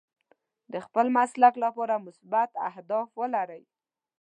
د خپل مسلک لپاره مثبت اهداف ولرئ.